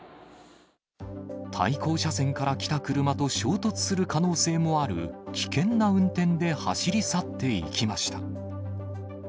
対向車線から来た車と衝突する可能性もある危険な運転で走り去っていきました。